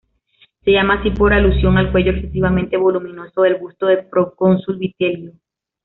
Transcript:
Se llama así por alusión al cuello excesivamente voluminoso del busto del procónsul Vitelio.